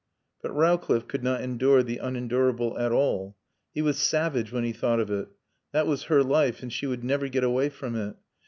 But Rowcliffe could not endure the unendurable at all. He was savage when he thought of it. That was her life and she would never get away from it.